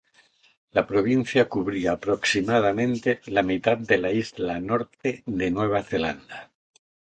La provincia cubría aproximadamente la mitad de la isla Norte de Nueva Zelanda.